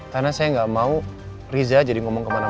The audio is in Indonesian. karena saya gak mau riza jadi ngomong kemana mana